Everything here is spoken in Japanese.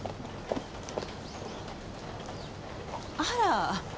あら！？